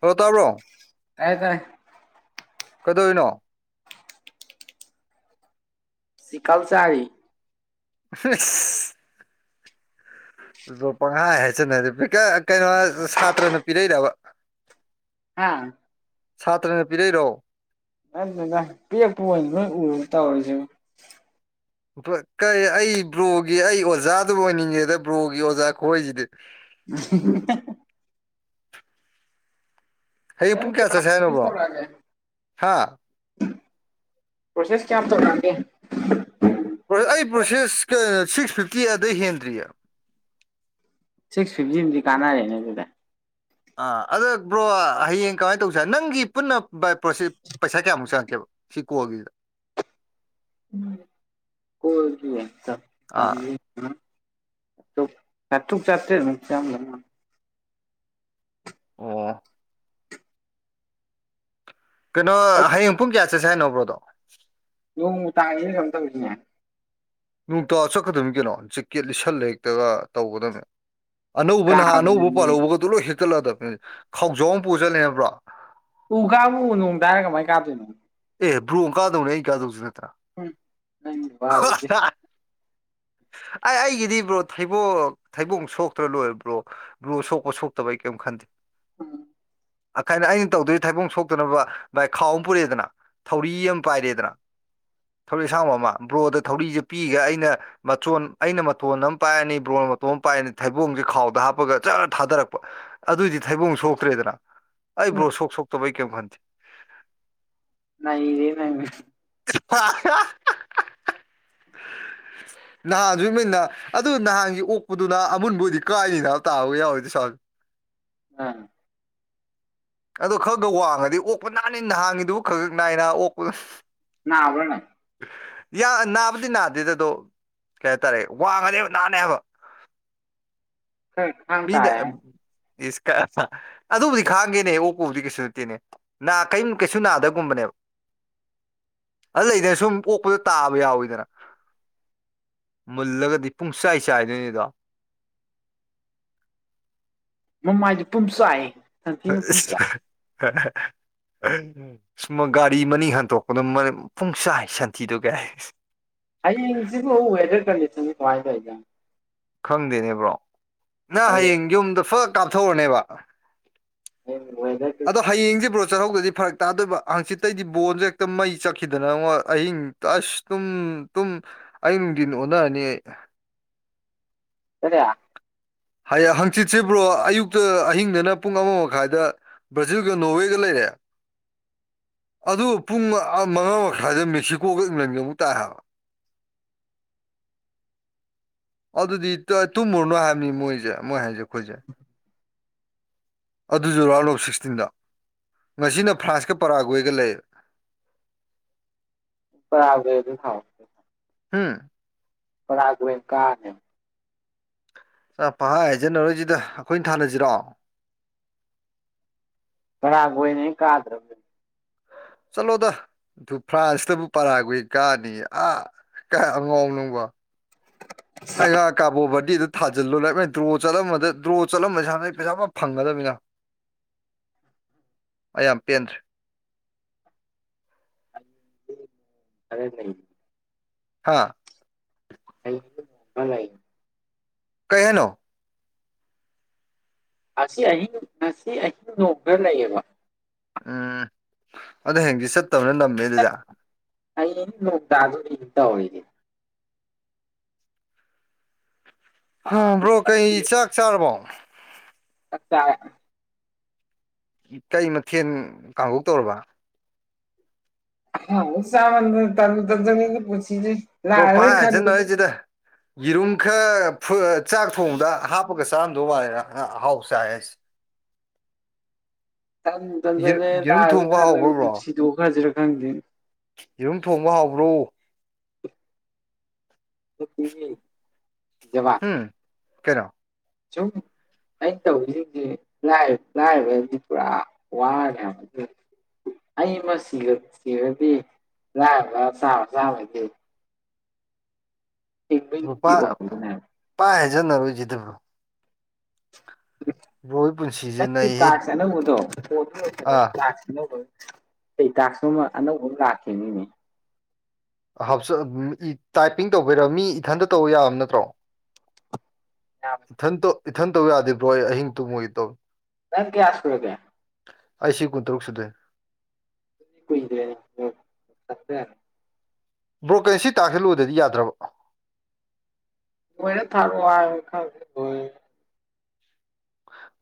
Hello ꯇꯥꯕ꯭ꯔꯣ ꯇꯥꯏꯌꯦ ꯇꯥꯏꯌꯦ [unintelligible] ꯀꯩꯗꯧꯋꯤꯅꯣ ꯆꯤꯀꯜ ꯆꯥꯔꯤ ꯐꯤꯁ [unintelligible] ꯄꯪꯍꯥꯏ ꯍꯥꯏꯆꯤꯟꯅꯔꯤ [unintelligible] ꯀꯩꯅꯣ ꯁꯥꯇ꯭ꯔꯅ ꯄꯤꯔꯛꯏꯔꯕ ꯍꯥ ꯁꯥꯇ꯭ꯔꯅ ꯄꯤꯔꯛꯏꯔꯣ [unintelligible] ꯄꯤꯔꯛꯄ ꯑꯣꯢꯅꯍꯦꯛ ꯎꯕꯗ ꯇꯧꯔꯤꯁꯤꯅꯤ ꯕ꯭ꯔꯣ ꯀꯩ ꯑꯩ ꯕ꯭ꯔꯣꯒꯤ ꯑꯩ ꯑꯣꯖꯥꯗꯨꯝ ꯑꯣꯏꯅꯤꯡꯉꯦꯗ ꯕ꯭ꯔꯣꯒꯤ ꯑꯣꯖꯥ ꯈꯣꯏꯁꯤꯗꯤ [unintelligible] ꯍꯌꯦꯡ ꯄꯨꯡ ꯀꯌꯥ ꯆꯠꯁꯦ ꯍꯥꯏꯅꯣ [unintelligible] ꯕ꯭ꯔꯣ ꯇꯧꯔꯛꯑꯒꯦ ꯍꯥ ꯄ꯭ꯔꯣꯁꯦꯁ ꯀꯌꯥꯝ ꯇꯧꯔꯛꯑꯒꯦ ꯑꯩ ꯄ꯭ꯔꯣꯁꯦꯁ ꯀ ꯁꯤꯛꯁ ꯐꯤꯐꯇꯤ ꯑꯗꯩ ꯍꯦꯟꯗ꯭ꯔꯤꯑꯦ ꯁꯤꯛꯁ ꯐꯤꯞꯇꯤꯗꯨꯗꯤ ꯀꯥꯟꯅꯔꯦꯅꯦ ꯑꯗꯨꯗꯤ ꯑꯥ ꯑꯗ ꯕ꯭ꯔꯣ ꯍꯌꯦꯡ ꯀꯃꯥꯏꯅ ꯇꯧꯁꯦ ꯍꯥꯢꯅꯣ ꯅꯪꯒꯤ ꯄꯨꯟꯅ ꯕꯥꯏ ꯄ꯭ꯔꯣꯁꯦ ꯄꯩꯁꯥ ꯀꯌꯥꯃꯨꯛ ꯆꯪꯉꯛꯀꯦꯕ ꯁꯤ ꯀꯣꯜꯒꯤ ꯎꯝ ꯀꯣꯜꯒꯤ ꯆꯥꯝ ꯑꯥ ꯆꯥꯝꯃꯔꯤ ꯗꯨꯃꯥꯢ [unintelligible] ꯆꯥꯇ꯭ꯔꯨꯛ ꯆꯥꯇ꯭ꯔꯦꯠꯃꯨꯛ ꯆꯪꯒ꯭ꯔꯃꯥꯅꯦ ꯑꯣ ꯀꯩꯅꯣ ꯑꯩ ꯍꯌꯦꯡ ꯄꯨꯡ ꯀꯌꯥ ꯆꯠꯁꯦ ꯍꯥꯏꯅꯣ ꯕ꯭ꯔꯣꯗꯣ ꯅꯣꯡ ꯇꯥꯏ ꯇꯧꯁꯤꯅꯦ ꯅꯣꯡꯇꯥ ꯆꯠꯀꯗꯕꯅꯤ ꯀꯩꯅꯣ ꯖꯦꯛꯀꯦꯠ ꯂꯤꯁꯜꯂ ꯍꯦꯛꯇꯒ ꯇꯧꯒꯗꯕꯅꯦ ꯑꯅꯧꯕ ꯅꯍꯥꯟ ꯑꯅꯧꯕ ꯀꯥꯕꯗꯗꯤ ꯄꯥꯜꯍꯧꯕꯒꯛꯇꯣ ꯂꯣꯏ ꯍꯦꯛꯇꯠꯂꯛꯑꯗꯕꯅꯤ ꯈꯥꯎꯖꯥꯎ ꯑꯃ ꯄꯨꯁꯤꯜꯂꯦꯕ꯭ꯔꯣ ꯎ ꯀꯥꯕꯥꯕꯨ ꯅꯣꯡꯇꯥꯔꯥ ꯀꯃꯥꯏ ꯀꯥꯗꯣꯏꯅꯣ ꯑꯦ ꯕ꯭ꯔꯣ ꯀꯥꯗꯧꯅꯦ ꯑꯩ ꯀꯥꯗꯧꯁꯨ ꯅꯠꯇꯅ ꯎꯝ ꯅꯪ ꯋꯥ ꯗꯨꯗꯤ ꯑꯩ ꯑꯩꯒꯤꯗꯤ ꯕ꯭ꯔꯣ ꯊꯩꯕꯣ ꯊꯩꯕꯣꯡ ꯁꯣꯛꯇ꯭ꯔ ꯂꯣꯏꯔꯦ ꯕ꯭ꯔꯣ ꯕꯔꯣ ꯁꯣꯛꯄ ꯁꯣꯛꯇꯕ ꯑꯩ ꯀꯌꯤꯝ ꯈꯟ ꯎꯝ ꯑ ꯀꯥꯏꯅ ꯑꯩꯅ ꯇꯧꯗꯣꯏ ꯊꯥꯏꯕꯨꯡ ꯁꯣꯛꯇꯅꯕ ꯚꯥꯏ ꯈꯥꯎ ꯑꯃ ꯄꯨꯔꯛꯑꯦꯗꯅ ꯊꯧꯔꯤ ꯑꯃ ꯄꯥꯏꯔꯦꯗꯅ ꯊꯧꯔꯤ ꯑꯁꯥꯡꯕ ꯑꯃ ꯕ꯭ꯔꯣꯗ ꯊꯧꯔꯤꯖꯦ ꯄꯤꯒ ꯑꯩꯅ ꯃꯆꯣꯟ ꯑꯩꯅ ꯃꯇꯣꯟ ꯑꯃ ꯄꯥꯏꯔꯅꯤ ꯕ꯭ꯔꯣꯅ ꯃꯇꯣꯟ ꯑꯃ ꯄꯥꯏꯔꯅꯤ ꯊꯩꯕꯣꯡꯖꯦ ꯈꯥꯎꯗ ꯍꯥꯞꯄꯒ ꯖꯔ ꯊꯥꯗꯔꯛꯄ ꯑꯗꯨꯏꯗꯤ ꯊꯩꯕꯨꯡ ꯁꯣꯛꯇ꯭ꯔꯦꯗꯅ ꯑꯩ ꯎꯝ ꯕ꯭ꯔꯣ ꯁꯣꯛ ꯁꯣꯛꯇꯕ ꯑꯩ ꯀꯩꯝ ꯈꯟꯗꯦ ꯅꯩꯔꯦ ꯅꯪ [unintelligible] ꯅꯍꯥꯟꯖꯨ ꯃꯤꯅ ꯑꯗꯨ ꯅꯍꯥꯟꯒꯤ ꯑꯣꯛꯄꯗꯨꯅ ꯑꯃꯨꯟꯕꯨꯗꯤ ꯀꯥꯏꯅꯤꯅꯕ ꯇꯥꯕꯒ ꯌꯥꯎꯋꯦꯗꯤ ꯁꯥ ꯑꯥ ꯑꯗꯨ ꯈꯔꯒ ꯋꯥꯡꯉꯗꯤ ꯑꯣꯛꯄ ꯅꯥꯅꯤ ꯅꯍꯥꯟꯒꯤꯗꯨꯕꯨ ꯈꯛ ꯈꯛ ꯅꯥꯏꯅ ꯑꯣꯛꯄꯗ ꯅꯥꯕ꯭ꯔꯣ ꯅꯪ ꯌꯥ ꯅꯥꯕꯨꯗꯤ ꯅꯥꯗꯦꯗ ꯑꯗꯣ ꯀꯩ ꯍꯥꯏꯇꯥꯔꯦ ꯋꯥꯡꯉꯅꯦꯕ ꯅꯥꯅꯦ ꯍꯥꯏꯕ [unintelligible] ꯃꯤꯅ ꯏꯁ ꯑꯗꯨꯕꯨꯗꯤ ꯈꯥꯡꯒꯦꯅꯦ ꯑꯣꯛꯄꯕꯨꯗꯤ ꯀꯩꯁꯨ ꯅꯠꯇꯦꯅꯦ ꯅꯥ ꯀ꯭ꯌꯤꯝ ꯀꯩꯁꯨ ꯅꯥꯗꯕꯒꯨꯝꯕꯅꯦꯕ ꯑꯗꯨ ꯂꯩꯗꯅ ꯁꯨꯝ ꯑꯣꯛꯄꯗ ꯇꯥꯕ ꯌꯥꯎꯋꯤꯗꯅ ꯃꯨꯜꯂꯒꯗꯤ ꯄꯨꯡꯆꯥꯏ ꯆꯥꯏꯗꯣꯏꯅꯤꯗꯣ ꯃꯃꯥꯏꯗꯨ ꯄꯨꯝꯆꯥꯏ [unintelligible] ꯁꯃ ꯒꯥꯔꯤ ꯃꯅꯤꯡ ꯍꯟꯇꯣꯛꯄꯗꯣ ꯄꯨꯡꯁꯥꯏ ꯁꯟꯊꯤꯗꯨ ꯀꯥꯏ ꯍꯌꯦꯡꯁꯤꯕꯨ ꯋꯦꯗꯔ ꯀꯟꯗꯤꯁꯟꯖꯦ ꯀꯃꯥꯏ ꯇꯧꯏꯖꯥꯠꯅꯣ ꯈꯪꯗꯦꯅꯦ ꯕ꯭ꯔꯣ ꯅꯪ ꯍꯌꯦꯡ ꯌꯨꯝꯗ ꯐꯛ ꯀꯥꯞꯊꯣꯛꯎꯔꯅꯦꯕ [unintelligible] ꯑꯗꯣ ꯍꯌꯦꯡꯖꯤ ꯕ꯭ꯔꯣ ꯆꯠꯍꯧꯗ꯭ꯔꯗꯤ ꯐꯔꯛ ꯇꯥꯗꯣꯏꯕ ꯍꯪꯆꯤꯠꯇꯩꯗꯤ ꯕꯣꯟꯖꯦ ꯍꯦꯛꯇ ꯃꯩ ꯆꯠꯈꯤꯗꯅꯉꯣ ꯑꯍꯤꯡ ꯑꯁ ꯇꯨꯝ ꯇꯨꯝ ꯑꯍꯤꯡ ꯅꯨꯡꯗꯤꯟ ꯑꯣꯟꯅꯔꯅꯤ ꯑꯩ [unintelligible] ꯍꯌꯦ ꯍꯪꯆꯤꯠꯁꯤꯕ꯭ꯔꯣ ꯑꯌꯨꯛꯇ ꯑꯍꯤꯡꯗꯅ ꯄꯨꯡ ꯑꯃ ꯃꯈꯥꯏꯗ ꯕ꯭ꯔꯖꯤꯜꯒ ꯅꯣꯋꯦꯒ ꯂꯩꯔꯦ ꯑꯗꯨ ꯄꯨꯡ ꯃꯉꯥ ꯃꯈꯥꯏꯗ ꯃꯦꯛꯁꯤꯀꯣꯒ ꯏꯪꯂꯦꯟꯒ ꯑꯃꯨꯛ ꯇꯥꯏ ꯍꯥꯏꯕ ꯑꯗꯨꯗꯤ ꯇꯨꯝꯃꯨꯔꯅꯣ ꯍꯥꯏꯕꯅꯤ ꯃꯣꯏꯖꯦ ꯃꯣꯏ ꯍꯥꯏꯖꯦ ꯑꯩꯈꯣꯏꯖꯦ ꯑꯗꯨꯖꯨ ꯔꯥꯎꯟ ꯑꯣꯐ ꯁꯤꯛꯁꯇꯤꯟꯗ ꯉꯁꯤꯅ ꯐ꯭ꯔꯥꯟꯁꯀ ꯄꯔꯥꯎꯒꯣꯏꯒ ꯂꯩꯔꯦ ꯄꯔꯥꯎꯒꯦꯗꯥ ꯊꯥꯎ ꯎꯝ ꯄꯔꯥꯎꯒꯦꯋꯅ ꯀꯥꯅꯤ [unintelligible] ꯑ ꯄꯥ ꯍꯥꯏꯖꯟꯅꯔꯣꯏꯖꯤꯗ ꯑꯩꯈꯣꯏꯅꯤ ꯊꯥꯅꯖꯤꯔꯣ ꯀꯔꯥꯒꯣꯏꯅ ꯍꯦꯛ ꯀꯥꯗ꯭ꯔꯕ ꯆꯠꯂꯣꯗ ꯑꯗꯨ ꯐ꯭ꯔꯥꯟꯁꯇꯕꯨ ꯄꯔꯥꯎꯒꯦ ꯀꯥꯅꯤꯌꯦ ꯑꯥ ꯀꯥꯏ ꯑꯉꯥꯎꯕꯅꯣ ꯅꯪꯕꯣ ꯑꯩ ꯉꯔꯥꯡ ꯀꯥꯕꯣ ꯕꯔꯗꯤꯗ ꯊꯥꯖꯤꯜꯂꯨ [unintelligible] ꯗ꯭ꯔꯣ ꯆꯠꯂꯝꯕꯗ ꯗ꯭ꯔꯣ ꯆꯠꯂꯝꯕꯁꯦ ꯍꯥꯟꯗꯩ ꯄꯩꯁꯥ ꯐ ꯐꯪꯒꯗꯕꯅꯤꯅ ꯑꯩ ꯌꯥꯝ ꯄꯦꯟꯗ꯭ꯔꯦ ꯈꯔ ꯅꯩ ꯍꯥꯥ [unintelligible] ꯀꯩ ꯍꯥꯏꯅꯣ ꯑꯁꯤ ꯑꯍꯤꯡ ꯉꯁꯤ ꯑꯍꯤꯡ ꯅꯣꯡ ꯈꯔ ꯂꯩꯑꯕ ꯎꯝ ꯑꯗꯨ ꯍꯌꯦꯡꯗꯤ ꯆꯠꯇꯕꯅ ꯅꯝꯃꯦ ꯑꯗꯨꯗꯤ ꯍꯌꯦꯡꯗꯤ ꯅꯣꯡ ꯇꯥꯗꯧꯔꯤ ꯏꯇꯥꯎ ꯑꯩꯗꯤ ꯍꯥ ꯕ꯭ꯔꯣ ꯀꯩ ꯆꯥꯛ ꯆꯥꯔꯕꯣ ꯑꯆꯥꯥ ꯀꯩ ꯃꯊꯦꯜ ꯀꯥꯡꯍꯣꯛ ꯇꯧꯔꯕ ꯍ ꯁꯃ ꯇ ꯇꯖꯅꯤꯗꯤ ꯄꯨꯁꯤꯦ ꯕꯣ ꯄꯥꯏ ꯍꯥꯏꯁꯦ ꯅꯣꯏ ꯁꯤꯗ ꯌꯦꯔꯨꯝ ꯈꯔ ꯆꯥꯛ ꯊꯣꯡꯗ ꯍꯥꯞꯄꯒ ꯆꯥꯔꯝꯗꯧ ꯃꯥꯂꯗ ꯑꯍꯥꯎ ꯆꯥꯏ ꯍꯥꯏꯁꯦ ꯇꯟ ꯇꯟꯖꯂꯦ ꯌꯦꯔꯨꯝ ꯂꯥꯛꯑꯒ ꯊꯣꯡꯕ ꯍꯥꯎꯕ꯭ꯔꯣ ꯈꯜꯂꯒ ꯕ꯭ꯔꯣ ꯄꯨꯟꯁꯤꯗꯣ ꯈꯁꯤꯔꯥ ꯈꯪꯗꯦ ꯏꯔꯨꯝ ꯊꯣꯡꯕ ꯍꯕ꯭ꯔꯣ ꯄ ꯎꯝ ꯀꯩꯅꯣ ꯆ ꯑꯩꯅ ꯇꯧꯔꯤꯁꯤꯡꯁꯤ ꯂꯥꯏꯔꯕꯗꯤ ꯄꯨꯔꯥ ꯋꯥꯌꯥꯝ ꯑꯗꯨ ꯑꯩ ꯑꯃ ꯁꯤꯔꯗꯤ ꯂꯥꯏꯕ ꯆꯥꯕ ꯆꯥꯕꯗꯤ ꯂꯨꯄꯥ ꯍꯤꯡꯕꯒꯤ ꯂꯝꯕꯤ ꯑꯣꯏꯍꯧꯗꯣꯏꯅꯦ ꯍꯥꯏꯕ ꯂꯨꯄꯥ ꯍꯥꯏꯖꯟꯅꯔꯣꯏꯁꯤꯗꯕ꯭ꯔꯣ ꯕꯣꯏ ꯄꯨꯟꯁꯤꯁꯤꯦ ꯁꯤ ꯅꯌꯦ ꯇꯥꯛꯁ ꯑꯅꯧꯕꯗꯣ ꯂꫭꯏꯗꯤ ꯇꯥꯛꯁ ꯑꯅꯧꯕ ꯀꯩ ꯇꯥꯛꯁ ꯅꫭꯃ ꯑꯅꯧꯕ ꯑꯃ ꯂꯥꯛꯈꯤꯕꯅꯤꯅꯦ ꯑꯥ ꯍꯥꯞꯆ ꯃꯤ ꯇꯥꯏꯄꯤꯡ ꯇꯧꯕꯤꯔ ꯃꯤ ꯏꯊꯟꯇ ꯇꯧꯕ ꯌꯥꯕ ꯅꯠꯇ꯭ꯔꯣ ꯑꯥ ꯏꯊꯟꯇ ꯏꯊꯟ ꯇꯧ ꯌꯥꯗꯦꯕ꯭ꯔꯣ ꯑꯩ ꯑꯍꯤꯡ ꯇꯨ ꯃꯣꯏꯒꯤ ꯇꯧ ꯅꯪ ꯀꯌꯥꯁꯀꯣ ꯀꯦ ꯑꯩ ꯁꯤ ꯀꯨꯟ ꯇꯔꯨꯛ ꯁꯨꯗꯦ ꯏꯗꯦ ꯁꯠꯇ ꯍꯥꯏꯔ ꯕ꯭ꯔꯣꯀꯔ ꯁꯤ ꯇꯥꯛꯁꯤꯜꯂꯣꯏꯗꯗꯤ ꯌꯥꯗ꯭ꯔꯕ ꯑꯣꯏꯣꯏꯅ ꯊꯔ ꯍꯥꯏ ꯈꯪ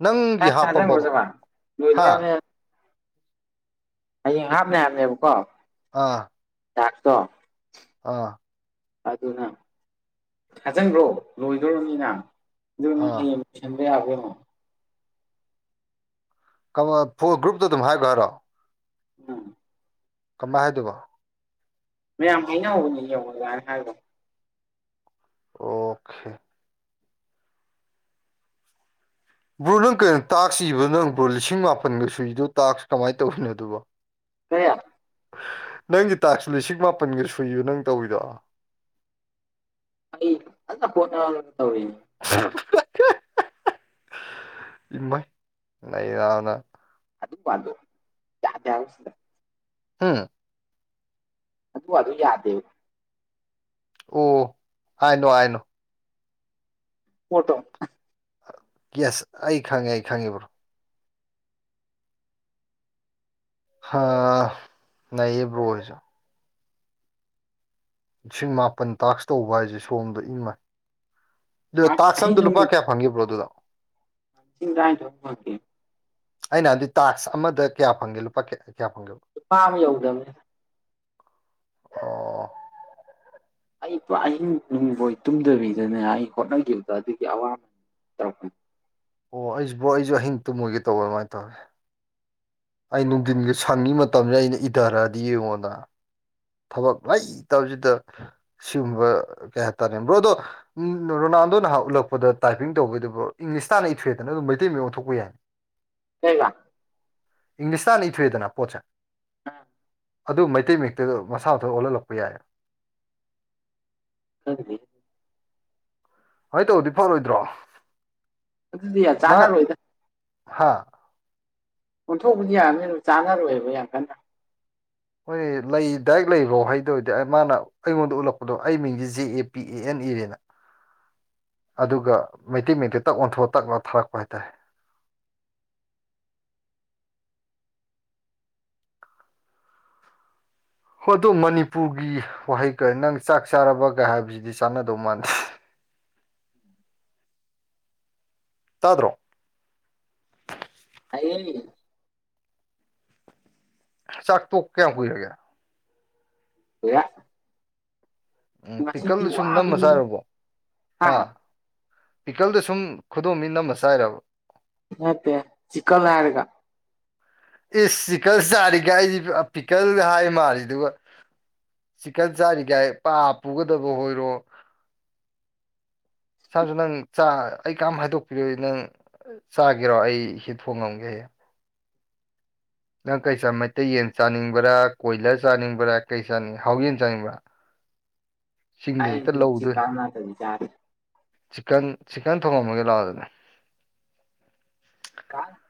ꯅꯪꯒꯤ ꯍꯥꯞꯄꯕꯕ ꯇꯖꯉꯣꯖꯕ ꯍꯥ ꯂꯣꯏꯗ꯭ꯔꯅꯦ ꯍꯌꯦꯡ ꯍꯥꯞꯅꯦ ꯍꯥꯏꯕꯅꯦꯕꯀꯣ ꯑꯥ ꯑꯦꯗꯣ ꯑꯥ ꯑꯗꯨꯅ ꯊꯥꯖꯤꯟꯕ꯭ꯔꯣ ꯂꯣꯏꯗꯣꯣꯔꯅꯤꯅ ꯑꯗꯨꯅ ꯑꯥ ꯍꯌꯦꯡ ꯍꯕꯤ ꯌꯥꯕꯦꯅꯣ ꯀꯃ ꯐ ꯒ꯭ꯔꯨꯞꯇꯣ ꯑꯗꯨꯝ ꯍꯥꯏꯈ ꯍꯥꯏꯔꯣ ꯎꯝ ꯀꯝꯕ ꯍꯥꯏꯗꯨꯕꯣ ꯃꯌꯥꯝ ꯍꯥꯏꯅꯍꯧꯕꯅꯤ ꯌꯧꯔꯒꯥꯏꯅ ꯍꯥꯏꯕꯣ ꯑꯣꯀꯦ ꯕ꯭ꯔꯣ ꯅꯪ ꯀꯩꯅꯣ ꯇꯥꯛꯁ ꯏꯕ ꯅꯪ ꯕ꯭ꯔꯣ ꯂꯤꯁꯤꯡ ꯃꯥꯄꯟꯒ ꯁꯨꯏꯗꯣ ꯇꯥꯛꯁ ꯀꯃꯥꯏꯅ ꯇꯧꯔꯤꯅꯣ ꯑꯗꯨꯕꯣ ꯁ ꯅꯪꯒꯤ ꯇꯥꯛꯁꯁꯨ ꯂꯤꯁꯤꯡ ꯃꯥꯄꯟꯒ ꯁꯨꯏꯌꯨ ꯅꯪ ꯇꯧꯔꯤꯗꯣ ꯑꯩ ꯐꯣꯟ ꯇꯧꯔꯤꯅꯤ [inaudible] ꯏꯃ ꯂꯩ ꯌꯥꯎꯅ ꯑꯗꯨ ꯑ ꯑꯗꯨ ꯌꯥꯗꯦꯎꯁꯗ ꯎꯟ ꯑꯗꯨ ꯑ ꯑꯗꯨ ꯌꯥꯗꯦꯕ ꯑꯣ ꯍꯥꯏꯅꯣ ꯍꯥꯏꯅꯣ ꯄꯣꯠꯇꯣ ꯌꯦꯁ ꯑꯩ ꯈꯪꯉꯦ ꯑꯩ ꯈꯪꯉꯤꯕ꯭ꯔꯣ ꯍꯥ ꯅꯩꯔꯦ꯫ ꯕꯔꯣ ꯁꯨ ꯂꯤꯁꯤꯡ ꯃꯄꯥꯜ ꯇꯥꯛꯁ ꯇꯧꯕ ꯍꯥꯏꯁꯦ ꯁꯣꯝꯗ ꯏꯃꯩ ꯑꯗꯨ ꯑꯁ ꯇꯥꯁꯀꯁ ꯑꯍꯤꯡ ꯑꯃꯗ ꯂꯨꯄꯥ ꯅꯨꯃꯤꯠ ꯀꯌꯥ ꯐꯪꯒꯦ ꯕꯔꯣ ꯑꯗꯣ ꯂꯤꯁꯤꯡ ꯇꯔꯥꯅꯤꯊꯣꯏ ꯐꯪꯉꯦ ꯑꯩꯅ ꯍꯥꯟꯗꯤ ꯇꯥꯛꯁ ꯑꯃꯗ ꯀꯌꯥ ꯐꯪꯒꯦ ꯂꯨꯄꯥ ꯀꯌꯥ ꯀꯌꯥ ꯐꯪꯒꯦꯕ ꯂꯨꯄꯥ ꯑꯃ ꯌꯧꯗꯕꯅꯦ ꯑꯣ ꯑꯩ ꯑꯍꯤꯡ ꯇꯨꯝꯕꯣꯏ ꯇꯨꯝꯗꯕꯤꯗꯅꯦ ꯑꯩ ꯍꯣꯠꯅꯈꯤꯕꯗ ꯑꯗꯨꯒꯤ ꯑꯋꯥꯕ ꯇꯧꯔꯛꯄꯅꯦ ꯑꯣ ꯑꯩ ꯕꯔꯣ ꯑꯩꯁꯨ ꯇꯨꯝꯃꯣꯢꯒꯦ ꯇꯧ ꯑꯩ ꯅꯨꯡꯊꯤꯟꯒꯤ ꯁꯪꯒꯤ ꯃꯇꯝꯁꯤꯗ ꯑꯩꯅ ꯏꯙꯔꯛꯑꯗꯤ ꯌꯦꯡꯉꯣꯗꯅ ꯊꯕꯛ ꯂꯩꯇꯕꯁꯤꯗ ꯁꯤꯒꯨꯝꯕ ꯀꯩ ꯍꯥꯏꯇꯥꯔꯦ ꯕ꯭ꯔꯣ ꯑꯗꯣ ꯎꯝ ꯔꯣꯅꯥꯜꯗꯣꯅ ꯎꯠꯂꯛꯄꯗ ꯇꯥꯏꯄꯤꯡ ꯇꯧꯕꯩꯗꯨꯕꯣ ꯏꯪꯂꯤꯁ ꯇꯥꯟꯅ ꯏꯊꯨꯑꯦꯗꯅ ꯑꯗꯨꯝ ꯃꯩꯇꯩ ꯃꯌꯦꯛ ꯑꯣꯟꯊꯣꯛꯄ ꯌꯥꯏꯅꯤ ꯂꯩꯩꯒ [inaudible] ꯏꯪꯂꯤꯁꯇꯥ ꯍꯟꯅ ꯏꯊꯣꯏꯑꯦꯗ ꯄꯣꯠꯁꯦ ꯑꯥ ꯑꯗꯨ ꯃꯩꯇꯩ ꯃꯌꯦꯛꯇ ꯃꯥꯁꯥ ꯃꯊꯥꯟ ꯑꯣꯜꯍꯜꯂꯛꯄ ꯌꯥꯏ ꯅꯡꯒꯤꯗꯤ [inaudible] ꯑꯗꯨꯃꯥꯢ ꯇꯧꯔꯗꯤ ꯐꯥꯔꯣꯏꯗꯔꯣ ꯑꯗꯨꯗꯤ ꯌꯥꯝ ꯆꯥꯟꯅꯔꯣꯏꯗ ꯍꯥꯥ ꯑꯣꯟꯊꯣꯛꯄꯗꯤ ꯌꯥꯅꯤ ꯑꯗꯨ ꯆꯥꯅꯔꯣꯏꯕ ꯌꯥꯝ ꯀꯟꯅ ꯍꯣꯏ ꯂꯩ ꯗꯥꯏꯔꯦꯛ ꯂꯩꯕ꯭ꯔꯣ ꯍꯩꯗꯧꯔꯗꯤ ꯃꯥꯅ ꯑꯩꯉꯣꯟꯗ ꯎꯠꯂꯛꯄꯗꯣ ꯑꯩ ꯃꯤꯡꯗꯤ J A P A N ꯏꯔꯦꯅ ꯑꯗꯨꯒ ꯃꯩꯇꯩ ꯃꯩꯇꯩ ꯇꯛ ꯑꯣꯟꯊꯣꯛꯑ ꯇꯛꯅ ꯊꯥꯔꯛꯄ ꯍꯥꯏꯇꯥꯔꯦ ꯍꯣꯏ ꯑꯗꯨꯣ ꯃꯅꯤꯄꯨꯔꯒꯤ ꯋꯥꯍꯩꯒ ꯅꯪ ꯆꯥꯛ ꯆꯥꯔꯕꯒ ꯍꯥꯏꯕꯁꯤꯗꯤ ꯆꯥꯟꯅꯗꯧ ꯃꯥꯟꯗꯦ ꯇꯥꯗ꯭ꯔꯣ ꯇꯥꯢꯌꯦ ꯆꯥꯛ ꯇꯣꯛ ꯀꯌꯥꯝ ꯀꯨꯏꯔꯒꯦ ꯀꯨꯏꯔꯦ ꯎꯝ ꯄꯤꯀꯜꯗ ꯁꯨꯝ ꯅꯝꯃ ꯋꯥꯕꯤꯅꯤ ꯆꯥꯨꯔꯕꯣ ꯍꯥ ꯄꯤꯀꯜꯗ ꯁꯨꯝ ꯈꯨꯗꯣꯝ ꯕꯤꯅ ꯅꯝꯃ ꯆꯥꯏꯔꯕ ꯅꯠꯇꯦ ꯆꯤꯀꯜ ꯍꯥꯏꯔꯒꯥ ꯏꯁ ꯆꯤꯛꯒꯥꯜ ꯆꯔꯤꯒꯥꯢꯅ ꯄꯤꯛꯒꯥꯜ ꯍꯥꯢ ꯃꯜꯂꯦ ꯗꯨꯒ ꯆꯤꯛꯀꯟ ꯆꯥꯔꯤꯒꯥꯏ ꯄꯥ ꯄꯨꯒꯗꯕ ꯑꯣꯏꯔꯣ ꯁꯥꯁꯨ ꯅꯪ ꯆꯥ ꯑꯩ ꯀꯝ ꯍꯥꯏꯗꯣꯛꯄꯤꯔꯣꯢ ꯅꯪ ꯆꯥꯒꯦꯔꯣ ꯑꯩ ꯍꯥ ꯊꯣꯡꯉꯝꯒꯦ ꯅꯪ ꯀꯔꯤ ꯆꯥ ꯃꯩꯇꯩ ꯌꯦꯟ ꯆꯥꯅꯤꯡꯕ꯭ꯔꯥ ꯀꯣꯏꯂꯔ ꯆꯥꯅꯤꯡꯕ꯭ꯔꯥ ꯀꯩ ꯆꯥꯅꯤꯡ ꯍꯥꯎ ꯌꯦꯟ ꯆꯥꯅꯤꯡꯕ꯭ꯔꯥ [unintelligible] ꯍꯦꯛꯇ ꯑꯩꯗꯤ ꯂꯧꯗꯣꯏ ꯆꯤꯀꯥꯜ ꯅꯠꯇꯔꯗꯤ ꯆꯗꯦ ꯆꯤꯛꯀꯟ ꯆꯤꯀꯟ ꯊꯣꯡꯉꯝꯃꯒꯦ ꯂꯥꯛꯑꯣ ꯑꯗꯨꯗꯤ ꯀ [inaudible]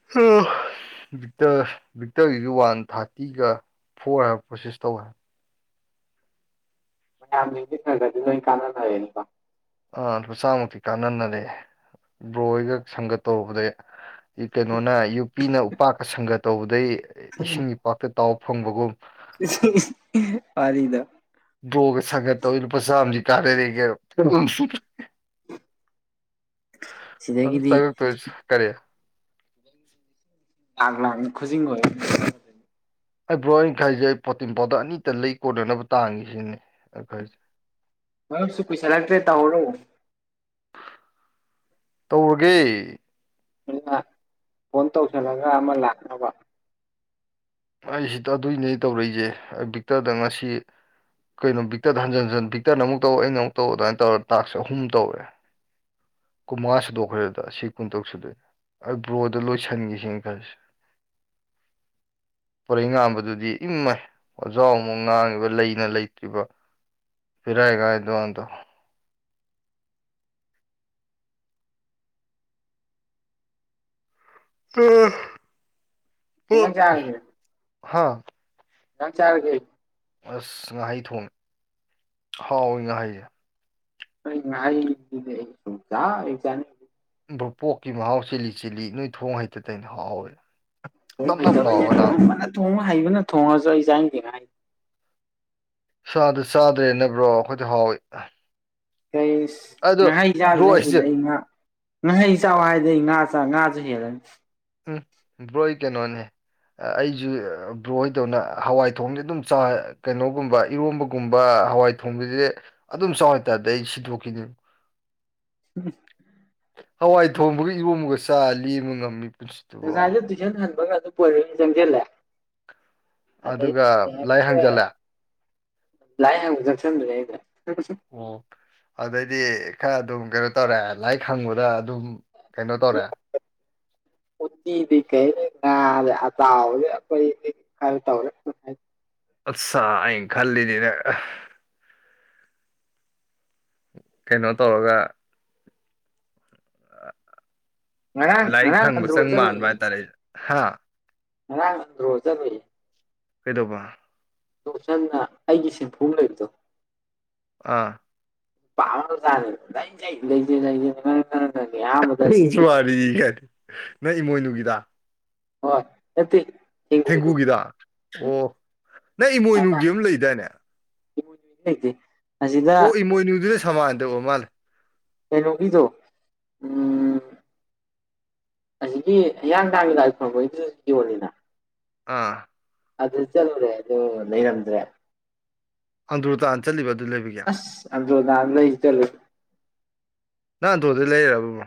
[inaudible] [inaudible] [inaudible] ꯑ ꯂꯨꯄꯥ ꯆꯥꯝꯃꯨꯛꯇꯤ ꯀꯥꯟꯅꯔꯔꯦ ꯕ꯭ꯔꯣ ꯍꯣꯏꯒ ꯁꯪꯒ ꯇꯧꯔꯨꯕꯗꯒꯤ ꯀꯩꯅꯣꯅ ꯌꯨꯄꯤꯅ ꯎꯄꯥꯛꯀ ꯁꯪꯒ ꯇꯧꯕꯗꯩ ꯏꯁꯤꯡ ꯏꯄꯥꯛꯇ ꯇꯥꯎ ꯐꯪꯕꯒꯨꯝ ꯢꯁ ꯋꯥꯔꯤꯗꯣ ꯗ꯭ꯔꯣꯒ ꯁꯪꯒ ꯇꯧꯕꯗꯒꯤ ꯂꯨꯄꯥ ꯆꯥꯝꯃꯁꯤ ꯀꯥꯅꯔꯦꯒꯣ ꯑ ꯆ ꯇ ꯀꯔꯤ [inaudible] ꯂꯥꯛꯂꯥꯛꯅ ꯈꯨꯖꯤꯡ ꯑꯣꯢꯗꯣꯢꯅꯦ ꯑꯩ ꯕ꯭ꯔꯣ ꯑꯩ ꯈꯟꯂꯤꯖ‌ꯦ ꯑꯩ ꯄ‌ꯣꯇꯤꯟ ꯄꯥꯎꯗꯔ ꯑꯅꯤꯇ ꯂꯩ ꯀꯣꯅꯅꯕ ꯇꯥꯟꯒ‌ꯦ ꯁꯤꯅꯦ ꯑꯩ ꯈꯟꯂꯤꯖ‌ꯦ ꯃꯔꯨꯞꯁꯨ ꯀꯩꯁꯥꯂꯛꯇ꯭ꯔꯦ ꯇꯧꯍꯧꯔꯣ ꯇꯧꯔꯒꯦ ꯑꯩꯅ ꯐꯣꯟ ꯇꯧꯁꯜꯂꯒ ꯑꯃ ꯂꯥꯛꯅꯕ ꯑꯩꯁꯤ ꯑꯗꯨꯏꯅꯦ ꯇꯧꯔꯛꯏꯁꯦ ꯑꯩ ꯕꯤꯛꯇꯔꯗ ꯉꯁꯤ ꯀꯩꯅꯣ ꯕꯤꯛꯇꯗ ꯍꯟ ꯕꯤꯛꯇꯔꯅ ꯑꯃꯨ ꯇꯧ ꯑꯩꯅ ꯑꯃꯨꯛ ꯇꯧ ꯑꯗꯨꯃꯥꯏꯅ ꯇꯧꯔ ꯇꯥꯛꯁ ꯑꯍꯨꯝ ꯇꯧꯔꯦ ꯀꯨꯟꯃꯉꯥ ꯁꯨꯗꯣꯛꯈ꯭ꯔꯦꯗ ꯁꯤ ꯀꯨꯟꯇ꯭ꯔꯛ ꯁꯨꯗꯣꯅꯦ ꯑꯩ ꯕ꯭ꯔꯣꯗ ꯂꯣꯏꯁꯟꯈꯤꯁꯤꯅ ꯈꯔꯁꯦ [inaudible] ꯄꯣꯔꯩꯉꯥꯡꯝꯕꯗꯨꯗꯤ ꯏꯃꯥꯏ ꯋ꯭ꯖꯥꯑꯣꯅꯥ ꯉꯥꯡꯉꯤꯕ ꯂꯩꯅ ꯂꯩꯇ꯭ꯔꯤꯕ ꯕꯦꯔꯒꯤ ꯑꯉꯥꯡ ꯅꯦ ꯑꯗꯨꯏ ꯑꯉꯥꯡ ꯗꯣ ꯀꯩ ꯏꯟꯖꯥꯡ ꯆꯥꯔꯒꯦ ꯍꯥꯥ ꯀꯩ ꯑꯦꯟꯁꯡ ꯆꯔꯒꯦ ꯑꯁ ꯉꯍꯩ ꯊꯣꯡꯉꯦ ꯍꯥꯎꯏꯤ ꯉꯍꯩꯁꯦ ꯑꯩ ꯉꯍꯩꯖꯤꯗꯤ ꯑꯩ ꯁꯨꯡꯆ ꯍꯦꯛ ꯆꯅꯤꯡ ꯭ꯔꯣ ꯄꯣꯛꯀꯤ ꯃꯍꯥꯎ ꯆꯤꯜꯂꯤ ꯆꯤꯜꯂꯤ ꯅꯣꯏ ꯊꯣꯡ ꯍꯩꯇ ꯇ ꯑꯩꯅ ꯍꯥꯎꯋꯦ ꯊꯣꯡ ꯅꯞ ꯅꯞ ꯍꯩꯕꯅꯦ ꯂꯥꯎꯔꯒ ꯅꯥꯕ ꯊꯣꯡꯕꯅ ꯊꯣꯡꯕ ꯍꯩꯕꯅ ꯊꯣꯡꯉꯁꯨ ꯑꯩꯁꯦ ꯍꯥꯏꯅ ꯀꯩꯅꯣ ꯍꯥꯏꯦ ꯆꯗꯔꯥ ꯆꯗꯔ꯭ꯦꯗꯟ ꯕ꯭ꯔꯣ ꯑꯩꯈꯣꯏꯗꯤ ꯍꯥꯎꯏꯤ ꯑꯥꯁ ꯉꯍꯩ ꯆꯥꯗꯧ ꯕ꯭ꯔꯣ ꯁꯔꯨꯄꯨꯗꯤ ꯑꯩꯁꯦ ꯑꯩ ꯉꯥ ꯉꯥꯍꯩ ꯆꯥꯎ ꯍꯥꯏꯗꯤ ꯑꯩ ꯉꯥ ꯉꯥꯁꯨ ꯍꯦꯜꯂꯅꯤ ꯎꯝ ꯕ꯭ꯔꯣ ꯑꯩ ꯀꯩꯅꯣꯅꯦ ꯑꯩꯁꯨ ꯕ꯭ꯔꯣꯍꯣꯏꯗꯧꯅ ꯍꯋꯥꯏ ꯊꯣꯡꯗꯤ ꯑꯗꯨꯝ ꯀꯩꯅꯣꯒꯨꯝꯕ ꯏꯔꯣꯝꯕꯒꯨꯝꯕ ꯍꯋꯥꯏ ꯊꯣꯡꯕꯤꯁꯦ ꯑꯗꯨꯝ ꯆꯥꯎꯏ ꯇꯥꯔꯗꯤ ꯑꯩ ꯁꯤꯗꯣꯛꯈꯤꯅꯦ ꯎꯝ ꯍꯋꯥꯏ ꯊꯣꯡꯕꯒ ꯏꯔꯣꯝꯕꯥꯒ ꯆꯥ ꯂꯦꯟꯕ ꯉꯝꯃꯤ ꯄꯨꯁꯤ ꯉꯁꯥꯏꯁꯨ ꯇꯨꯏꯁꯟ ꯍꯟꯕꯒ ꯑꯗꯨ ꯄꯔꯣꯏ ꯆꯪꯁꯤꯜꯂꯦ ꯑꯗꯩꯗꯤ ꯑꯗꯨꯒ ꯂꯥꯏ ꯍꯪꯖꯜꯂꯦ ꯂꯥꯛ ꯑꯦ ꯍꯪꯡꯕ ꯆꯟ꯭ꯔꯦ ꯑꯣ ꯑꯗꯩꯗꯤ ꯈꯔ ꯑꯗꯨꯝ ꯀꯩꯅꯣ ꯇꯧꯔꯦ ꯂꯥꯏꯔꯤꯛ ꯍꯪꯕꯗ ꯑꯗꯨꯝ ꯀꯩꯅꯣ ꯇꯧꯔꯛꯑꯥ ꯎꯇꯗꯤ ꯀꯩ ꯉꯥ ꯑꯇꯥꯎꯗꯦ ꯑꯩꯈꯣꯏ ꯈꯔ ꯇꯧꯔꯦ ꯑꯠꯁꯥ ꯑꯩꯅ ꯈꯜꯂꯤꯅꯦ ꯅꯪ ꯀꯩꯅꯣ ꯇꯧꯔꯒ ꯉꯔꯥꯡ ꯂꯥꯏꯔꯤꯛ ꯉꯔꯥꯡ ꯍꯪꯕꯥ ꯑꯟꯗ꯭ꯔꯣ ꯆꯪꯕꯥ ꯃꯥꯥꯟꯕ ꯍꯥꯏꯇꯔꯦ ꯍꯥꯥ ꯉꯔꯡ ꯑꯟꯗꯔꯣ ꯆꯠꯂꯨꯏꯌꯦ ꯀꯩꯗꯧꯕ ꯇꯣꯞꯆꯟꯅ ꯑꯩꯒꯤ ꯁꯦꯝꯐꯨ ꯑꯃꯥ ꯂꯩꯕꯗꯣ ꯑꯥ ꯇꯥꯎꯔ ꯆꯥꯖ‌ꯦ ꯂ‌ꯩꯖ‌ꯦ ꯂꯩꯖ‌ꯦ ꯂꯩꯖ‌ꯦꯅ ꯅꯪ ꯅ‌ꯣꯏ ꯅꯌꯥꯝ ꯀꯔꯤ ꯋꯔꯤ ꯒꯥꯗꯤ ꯅꯣꯏ ꯏꯃꯣꯏꯅꯨꯒꯤꯗ ꯍꯣꯏ ꯅꯠꯇꯦ ꯊꯦꯡꯒꯨꯗꯣ ꯊꯦꯡꯒꯨꯒꯤꯗ ꯑꯣ ꯅꯪ ꯏꯃꯣꯏꯅꯨꯒꯤ ꯑꯃ ꯂꯩꯗꯥꯏꯅꯦ ꯊꯦꯡꯎꯗꯤ ꯂꯩꯇꯦꯖꯦ ꯑꯣ ꯏꯃꯣꯏꯅꯨꯗꯨꯅ ꯁꯃꯥꯟꯗ ꯑꯣ ꯃꯥꯜꯂꯦ ꯀꯩꯅꯣꯒꯤꯗꯣ ꯎꯝ ꯑꯁꯤꯒꯤ ꯍꯤꯌꯥꯡꯗꯥꯡꯒꯤ ꯂꯥꯏ ꯈ‌ꯣꯔꯝꯕꯩꯗꯖꯨ ꯌꯣꯜꯂꯤꯅ ꯑꯥ ꯑꯗꯨ ꯆꯠꯂꯨꯔꯦ ꯑꯗꯨ ꯂꯩꯔꯝꯗ꯭ꯔꯦ ꯑꯪꯗ꯭ꯔꯣꯔ ꯇꯥꯥꯟ ꯆꯠꯂꯤꯕ ꯑꯗꯨ ꯂꯩꯕꯒꯤ ꯑꯁ ꯑꯗꯣꯗꯂ ꯏꯇꯂ ꯅꯪ ꯑꯟꯗꯔꯣꯗꯩꯩ ꯂꯩꯔꯕꯕꯣ